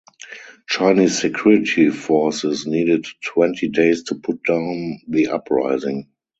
Chinese security forces needed twenty days to put down the uprising.